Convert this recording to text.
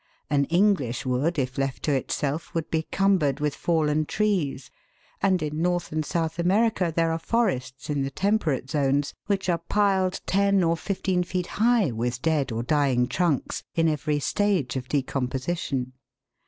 An English wood, if left to itself, would be cumbered with fallen trees, and in North and South America there are forests, in the temperate zones, which are piled ten or fifteen feet high 1 82 THE WORLDS LUMBER ROOM. with dead or dying trunks, in every stage of decompo sition.